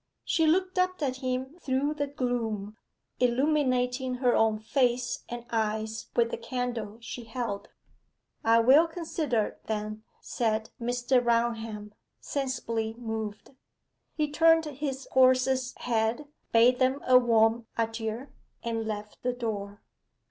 She looked up at him through the gloom, illuminating her own face and eyes with the candle she held. 'I will consider, then,' said Mr. Raunham, sensibly moved. He turned his horse's head, bade them a warm adieu, and left the door.